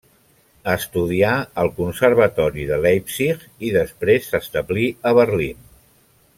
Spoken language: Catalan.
Estudià al Conservatori de Leipzig i després s'establí a Berlín.